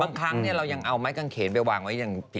บางครั้งเรายังเอาไม้กางเขนไปวางไว้อย่าง